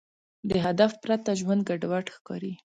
د هدف پرته ژوند ګډوډ ښکاري.